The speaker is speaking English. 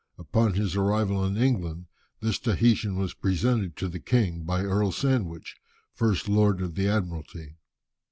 Upon his arrival in England this Tahitian was presented to the king by Earl Sandwich, first lord of the Admiralty.